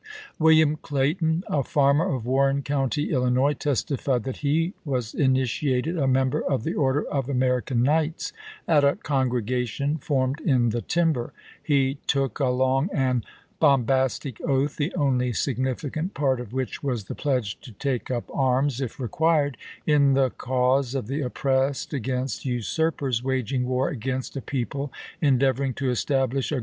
Wil liam Clayton, a farmer of Warren County, Illinois, testified that he was initiated a member of the Order of American Knights " at a congregation formed in the timber "; he took a long and bom bastic oath, the only significant part of which was the pledge to take up arms, if required, in the cause of the oppressed against usurpers waging war against a people endeavoring to establish a Ibid.